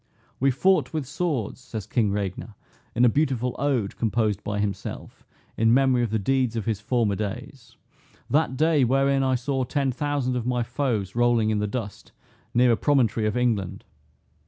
"We fought with swords," says King Regner, in a beautiful ode composed by himself, in memory of the deeds of his former days, "that day wherein I saw ten thousand of my foes rolling in the dust, near a promontory of England.